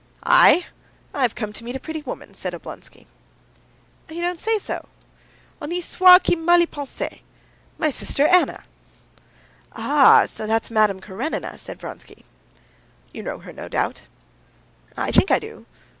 "I? I've come to meet a pretty woman," said Oblonsky. "You don't say so!" "Honi soit qui mal y pense! My sister Anna." "Ah! that's Madame Karenina," said Vronsky. "You know her, no doubt?" "I think I do.